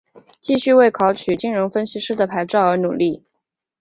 继续为考取金融分析师的牌照而努力。